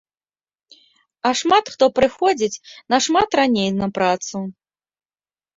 А шмат хто прыходзіць нашмат раней на працу.